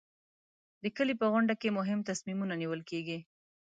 د کلي په غونډه کې مهم تصمیمونه نیول کېږي.